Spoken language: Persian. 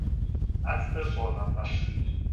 اسب پر نفس